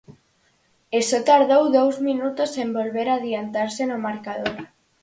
E só tardou dous minutos en volver adiantarse no marcador.